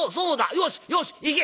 よしよしいけ！